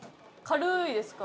「軽い」